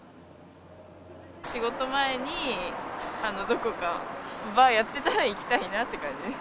仕事前に、どこか、バーやってたら行きたいなって感じで。